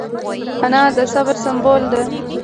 انا د صبر سمبول ده